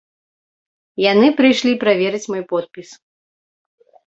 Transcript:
Яны прыйшлі праверыць мой подпіс.